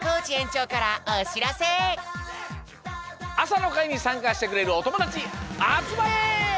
あさのかいにさんかしてくれるおともだちあつまれ！